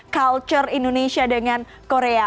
culture indonesia dengan korea